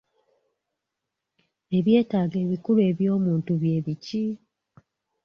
Ebyetaago ebikulu eby'omuntu bye biki?